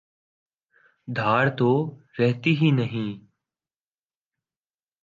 دھاڑ تو رہتی ہی نہیں۔